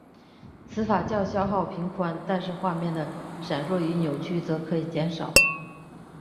此法较消耗频宽但是画面的闪烁与扭曲则可以减少。